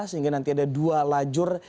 sehingga nanti ada dua lajur